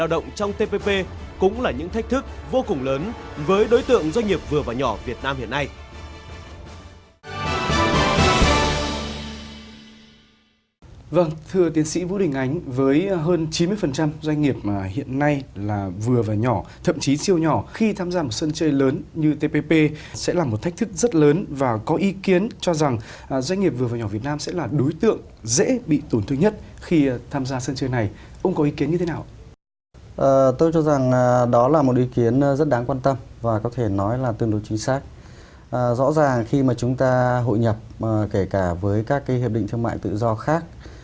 rõ ràng khi mà chúng ta hội nhập kể cả với các cái hiệp định thương mại tự do khác